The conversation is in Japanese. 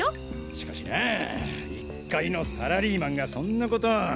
しかしなあ一介のサラリーマンがそんな事。